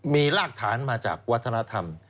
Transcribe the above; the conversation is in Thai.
มีรากฐานมาจากวัฒนธรรม